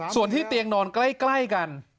ส่วนที่เตียงนอนใกล้กัน